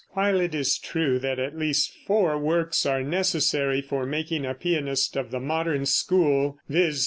While it is true that at least four works are necessary for making a pianist of the modern school, viz.